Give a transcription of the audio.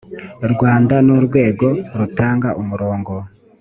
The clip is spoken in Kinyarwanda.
rwanda ni urwego rutanga umurongo